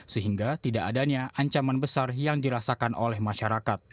sehingga tidak adanya ancaman besar yang dirasakan oleh masyarakat